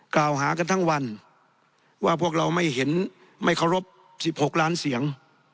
กล่าวหากันทั้งวันว่าพวกเราไม่เห็นไม่เคารพ๑๖ล้านเสียง